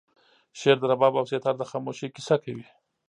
شعر د رباب او سیتار د خاموشۍ کیسه کوي